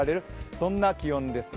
そんな気温ですね。